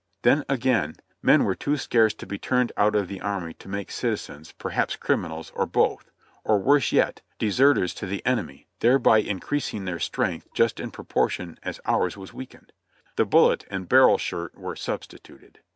Then, again, men were too scarce to be turned out of the army to make citizens, perhaps criminals, or both — or worse yet. deser ters to the enemy, thereby increasing their strength just in pro portion as ours was weakened. The bullet and barrel shirt were substituted.